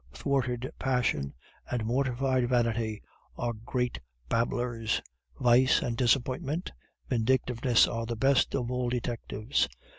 Thwarted passion and mortified vanity are great babblers. Vice and disappointment and vindictiveness are the best of all detectives.